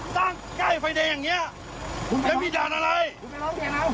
แล้วแล้วตั้งด่างอย่างไรถึงไปแดง